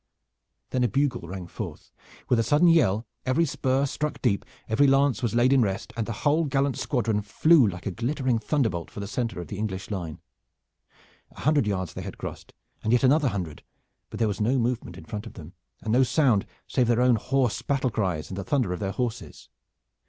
Then a bugle rang forth. With a sudden yell every spur struck deep, every lance was laid in rest, and the whole gallant squadron flew like a glittering thunderbolt for the center of the English line. A hundred yards they had crossed, and yet another hundred, but there was no movement in front of them, and no sound save their own hoarse battle cries and the thunder of their horses.